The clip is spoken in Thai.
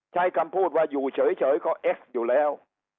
ใช้คำพูดว่าอยู่เฉยก็เอ็กซ์อยู่แล้ว